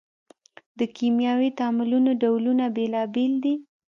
د کیمیاوي تعاملونو ډولونه بیلابیل دي.